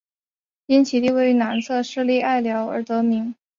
因其地位于南侧设立隘寮而得名。